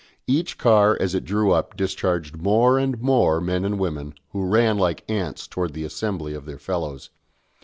Each car as it drew up discharged more and more men and women, who ran like ants towards the assembly of their fellows.